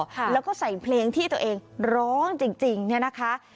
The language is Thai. ค่ะแล้วก็ใส่เพลงที่ตัวเองร้องจริงจริงเนี่ยนะคะ